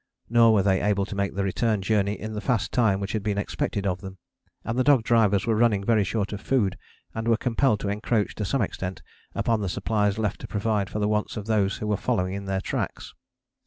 Nor were they able to make the return journey in the fast time which had been expected of them, and the dog drivers were running very short of food and were compelled to encroach to some extent upon the supplies left to provide for the wants of those who were following in their tracks.